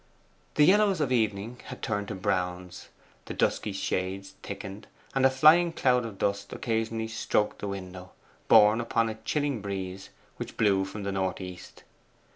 The yellows of evening had turned to browns, the dusky shades thickened, and a flying cloud of dust occasionally stroked the window borne upon a chilling breeze which blew from the north east.